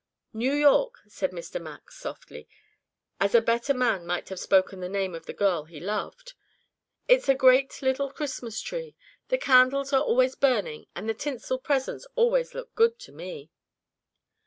"New York," said Mr. Max softly, as a better man might have spoken the name of the girl he loved. "Its a great little Christmas tree. The candles are always burning and the tinsel presents always look good to me."